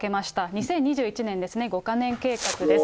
２０２１年ですね、５か年計画です。